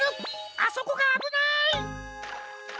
あそこがあぶない！